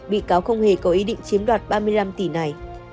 bị cáo không hề có ý định chiếm đoạt ba mươi năm tỷ này